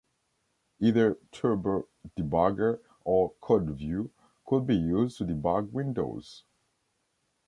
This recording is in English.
Either Turbo Debugger or CodeView could be used to debug Windows.